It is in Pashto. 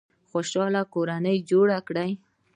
خوشحاله کورنۍ جوړه کړئ